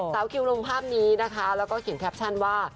สาวคิวลงภาพนี้นะคะแล้วก็เขียนแคปชั่นว่า